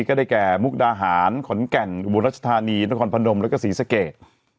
ก็ได้แก่มุกดาหารขอนแก่นอุบลรัชธานีนครพนมแล้วก็ศรีสเกต